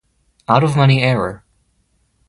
Out of money error.